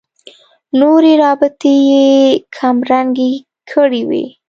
نورې رابطې یې کمرنګې کړې وي.